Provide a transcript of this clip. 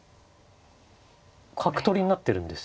角取りになってるんですよ。